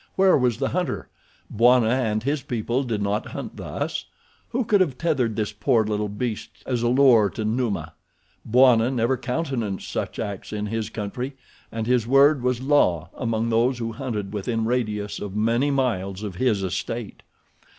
Where was the hunter? Bwana and his people did not hunt thus. Who could have tethered this poor little beast as a lure to Numa? Bwana never countenanced such acts in his country and his word was law among those who hunted within a radius of many miles of his estate.